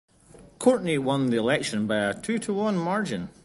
Courtney won the election by a two-to-one margin.